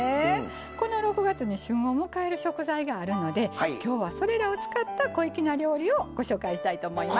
この６月に旬を迎える食材があるのできょうはそれらを使った小粋な料理をご紹介したいと思います。